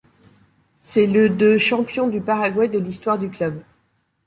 C’est le de champion du Paraguay de l’histoire du club.